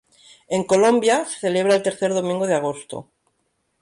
En Colombia, se celebra el tercer domingo de agosto.